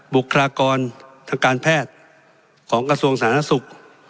บุคลากรทางการแพทย์ของกระทรวงสาธารณสุข